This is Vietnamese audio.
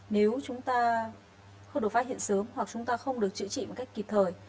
nếu chúng ta không được phát hiện sớm hoặc chúng ta không được chữa trị kịp thời